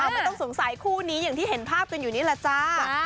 ไม่ต้องสงสัยคู่นี้อย่างที่เห็นภาพกันอยู่นี่แหละจ้า